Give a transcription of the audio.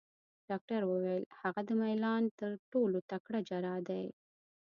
ډاکټر وویل: هغه د میلان تر ټولو تکړه جراح دی.